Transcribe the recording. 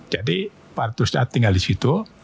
jadi partur sudah tinggal di situ